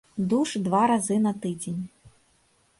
Душ два разы на тыдзень.